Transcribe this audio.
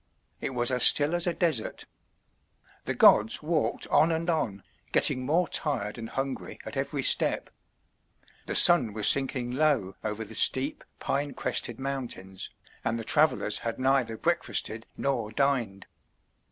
It was as still as a desert. The gods walked on and on, getting more tired and hungry at every step. The sun was sinking low over the steep, pine crested mountains, and the travellers had neither breakfasted nor dined.